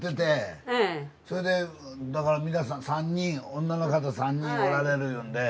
それでだから皆さん３人女の方３人おられるいうんで。